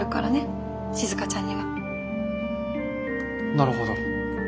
なるほど。